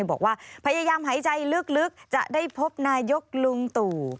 บอกว่าพยายามหายใจลึกจะได้พบนายกลุงตู่